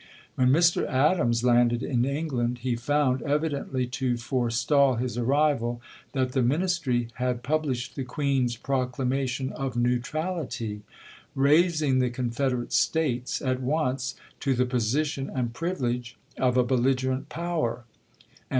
When Mr. Adams landed in England he found, evidently to forestall his arrival, that the Ministry had pub lished the Queen's proclamation of neutrality, raising the Confederate States at once to the EUROPEAN NEUTRALITY 269 position and privilege of a belligerent power ; and chap.